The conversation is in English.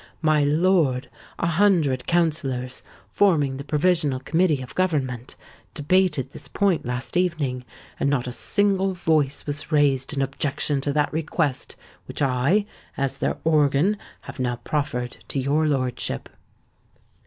My lord, a hundred councillors, forming the Provisional Committee of Government, debated this point last evening; and not a single voice was raised in objection to that request which I, as their organ, have now proffered to your lordship."